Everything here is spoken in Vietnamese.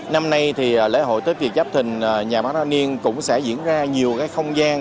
năm nay thì lễ hội tết việt giáp thìn nhà bán ra niên cũng sẽ diễn ra nhiều cái không gian